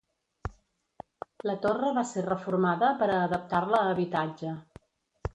La torre va ser reformada per a adaptar-la a habitatge.